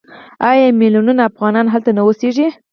آیا میلیونونه افغانان هلته نه اوسېږي؟